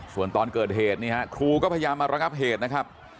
ส่วนตอนเกิดเหตุนี่ฮะครูก็พยายามมาระงับเหตุนะครับ